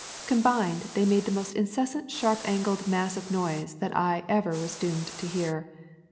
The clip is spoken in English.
Com bined they made the most incessant sharp angled mass of noise that I ever was doomed to hear.